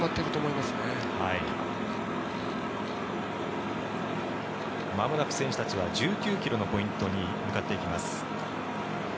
まもなく選手たちは１９ｋｍのポイントに向かっていきます。